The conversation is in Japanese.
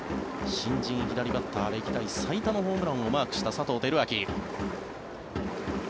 新人左バッター歴代最多のホームランをマークした佐藤輝明。